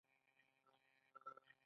دولت بودیجه په یو هیواد کې د څه تابع ده؟